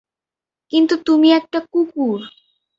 কিন্তু তুমি একটা কুকুর।